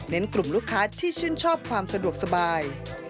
กลุ่มลูกค้าที่ชื่นชอบความสะดวกสบาย